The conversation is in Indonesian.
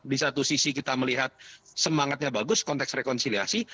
di satu sisi kita melihat semangatnya bagus konteks rekonsiliasi